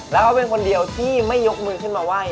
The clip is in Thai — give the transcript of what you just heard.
แล้วเขาเป็นคนเดียวที่ไม่ยกมือขึ้นมาไหว้